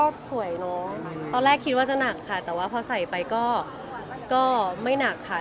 ก็สวยเนอะตอนแรกคิดว่าจะหนักค่ะแต่ว่าพอใส่ไปก็ไม่หนักค่ะ